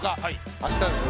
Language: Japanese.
明日ですね。